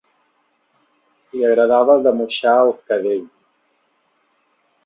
Li agradava d'amoixar el cadell.